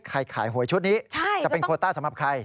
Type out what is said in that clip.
ขายหวยชุดนี้จะเป็นโคต้าสำหรับใคร